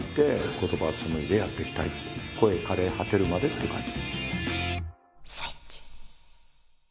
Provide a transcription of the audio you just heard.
声かれ果てるまでっていう感じ。